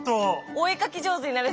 お絵描き上手になれそう。